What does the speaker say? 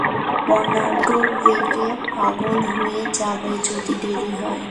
Bernardo রেগে পাগল হয়ে যাবে, যদি দেরি হয়।